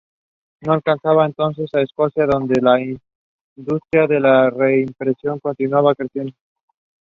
Alonso apologised to Schumacher over the collision on the opening lap of the race.